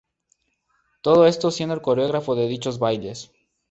Todo esto siendo el coreógrafo de dichos bailes.